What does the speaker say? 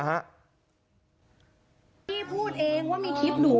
พี่พูดเองว่ามีคลิปหนู